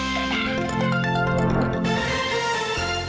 โปรดติดตามตอนต่อไป